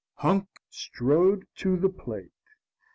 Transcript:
Hank strode to the plate.